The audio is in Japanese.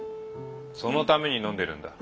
そのために飲んでるんだ。